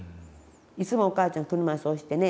いつもお母ちゃんの車いす押してね。